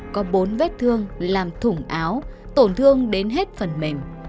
có bốn vết thương làm thủng áo tổn thương đến hết phần mềm